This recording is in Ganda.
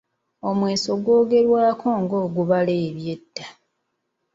Omweso gwogerwaako ng’ogubala eby’edda.